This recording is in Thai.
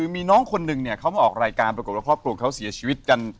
มีน้องคนนึงเขาออกรายการเป็นพวกความปกติเขาเสียชีวิตกัน